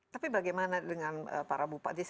tapi bagaimana dengan para bupati